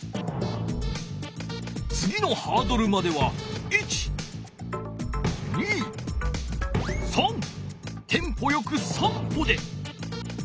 つぎのハードルまではテンポよく３歩で。